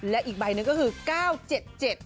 และอีกใบหนึ่งก็คือ๙๗๗๖๖๑